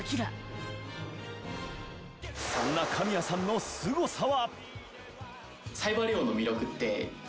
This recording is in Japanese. そんな神谷さんのスゴさは。